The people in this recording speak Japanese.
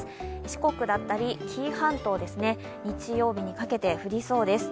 四国だったり紀伊半島、日曜日にかけて降りそうです。